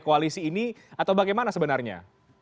koalisi ini atau bagaimana sebenarnya